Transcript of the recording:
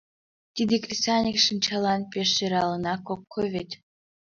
Тиде кресаньык шинчалан пеш сӧралынак ок кой вет.